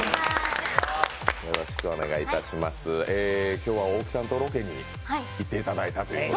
今日は大木さんとロケに行っていただいたと。